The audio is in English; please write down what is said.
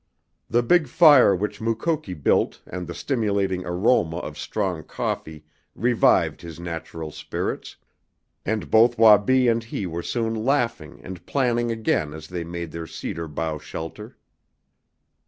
The big fire which Mukoki built and the stimulating aroma of strong coffee revived his natural spirits, and both Wabi and he were soon laughing and planning again as they made their cedar bough shelter.